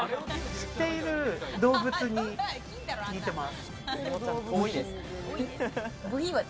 知っている動物に似ています。